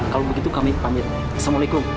kalau begitu kami panggil assalamualaikum